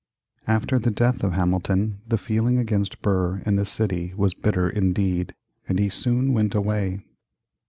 After the death of Hamilton the feeling against Burr in the city was bitter indeed, and he soon went away.